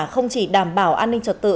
không chỉ đảm bảo an ninh trật tự